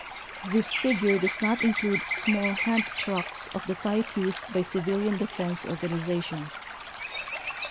This fig ure does not include small hand trucks of the type used by civilian defense organizations.